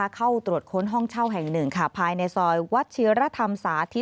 เข้าตรวจค้นห้องเช่าแห่งหนึ่งค่ะภายในซอยวัดชิรธรรมสาธิต